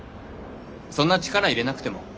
そんな力いれなくても。